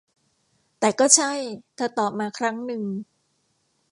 แต่ก็ใช่ เธอตอบมาครั้งนึง